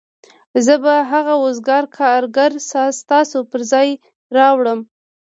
زه به هغه وزګار کارګر ستاسو پر ځای راوړم